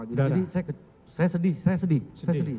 jadi saya sedih saya sedih